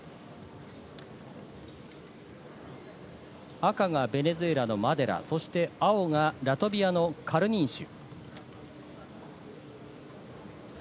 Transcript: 赤がベネズエラのマデラ、青がラトビアのカルニンシュ。